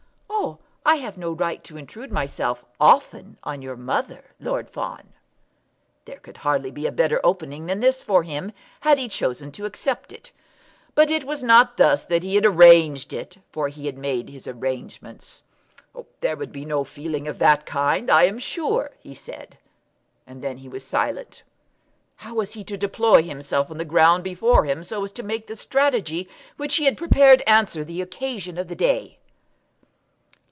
"Ah, I have no right to intrude myself often on your mother, Lord Fawn." There could hardly be a better opening than this for him had he chosen to accept it. But it was not thus that he had arranged it, for he had made his arrangements. "There would be no feeling of that kind, I am sure," he said. And then he was silent. How was he to deploy himself on the ground before him so as to make the strategy which he had prepared answer the occasion of the day?